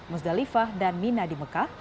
musdalifah dan mina di mekah